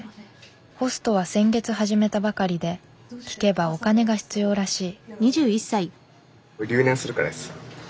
ホストは先月始めたばかりで聞けばお金が必要らしい。